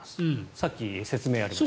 さっき説明ありました。